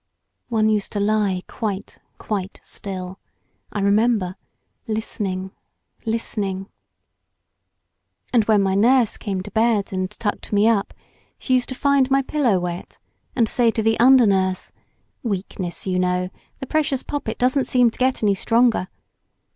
One used to lie quite, quite still, I remember, listening, listening. And when my nurse came to bed and tucked me up, she used to find my pillow wet, and say to the under nurse — "Weakness, you know. The precious poppet doesn't seem to get any stronger."